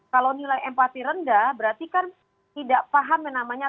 kalau nilai empati rendah berarti kan tidak paham yang namanya